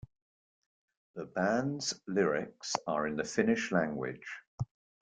The band's lyrics are in the Finnish language.